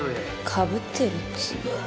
かぶってるっつうの。